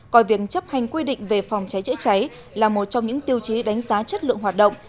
coi việc chấp hành quy định về phòng cháy chữa cháy là một trong những tiêu chí đánh giá chất lượng hoạt động